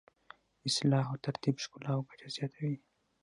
اصلاح او ترتیب ښکلا او ګټه زیاتوي.